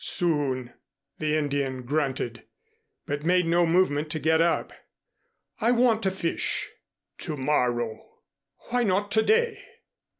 "Soon," the Indian grunted, but made no movement to get up. "I want to fish." "To morrow." "Why not to day?"